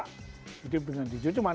hidup dengan seorang yang baik gitu ya